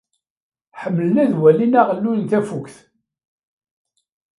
Ḥemmlen ad walin aɣelluy n tafukt.